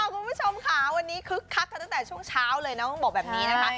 คุณผู้ชมค่ะวันนี้คึกคักกันตั้งแต่ช่วงเช้าเลยนะต้องบอกแบบนี้นะคะ